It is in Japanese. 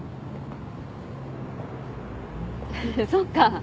そっか。